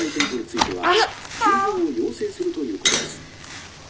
「休業を要請するということです。